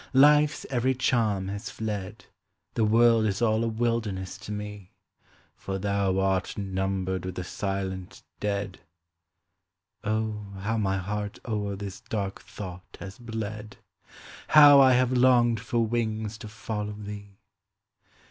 Life's every charm has fled, The world is all a wilderness to me; "For thou art numbered with the silent dead." Oh, how my heart o'er this dark thought has bled! How I have longed for wings to follow thee!